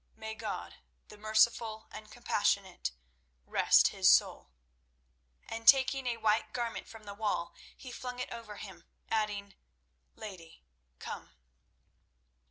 "May God, the Merciful and Compassionate, rest his soul!" And taking a white garment from the wall, he flung it over him, adding, "Lady, come."